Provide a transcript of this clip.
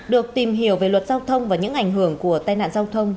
được tìm hiểu về luật giao thông và những ảnh hưởng của tai nạn giao thông